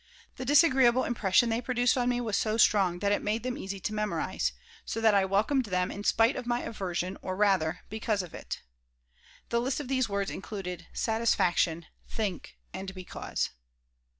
The disagreeable impression they produced on me was so strong that it made them easy to memorize, so that I welcomed them in spite of my aversion or, rather, because of it. The list of these words included "satisfaction," "think," and "because."